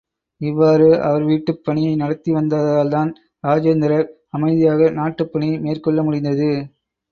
இவ்வாறு அவர் வீட்டுப் பணியை நடத்தி வந்ததால்தான் இராஜேந்திரர் அமைதியாக நாட்டுப் பணியை மேற்கொள்ள முடிந்தது.